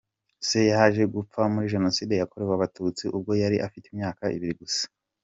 Se yaje gupfa muri Jenoside yakorewe Abatutsi ubwo yari afite imyaka ibiri gusa.